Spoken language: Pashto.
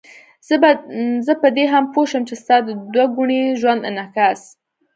زه په دې هم پوه شوم چې ستا د دوه ګوني ژوند انعکاس.